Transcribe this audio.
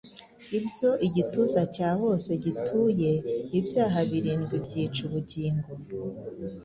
Ibyo igituza cya bose gituye Ibyaha birindwi byica ubugingo.